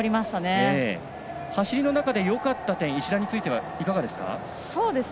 走りの中でよかった点石田についてはいかがですか。